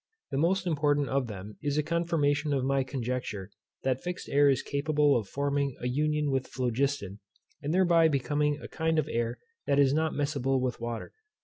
The most important of them is a confirmation of my conjecture, that fixed air is capable of forming an union with phlogiston, and thereby becoming a kind of air that is not miscible with water.